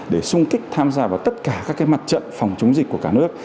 để sung kích tham gia vào tất cả các mặt trận phòng chống dịch của cả nước